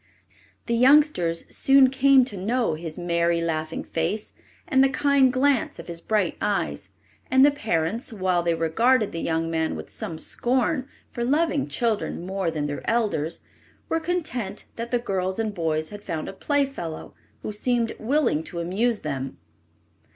The youngsters soon came to know his merry, laughing face and the kind glance of his bright eyes; and the parents, while they regarded the young man with some scorn for loving children more than their elders, were content that the girls and boys had found a playfellow who seemed willing to amuse them.